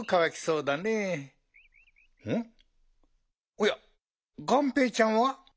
おやがんぺーちゃんは？